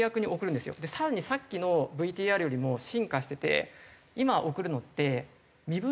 更にさっきのＶＴＲよりも進化してて今送るのって。